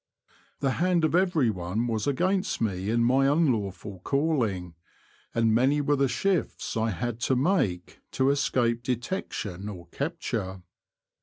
The hand of everyone was against me in my unlawful calling, and many were the shifts I had to make to escape detection or capture.